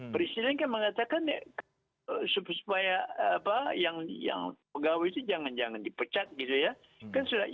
presiden kan mengatakan supaya apa yang pegawai itu jangan jangan diputuskan